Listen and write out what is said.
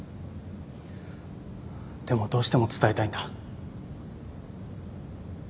でもどうしても伝えたいんだ。